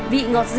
vị ngọt ngào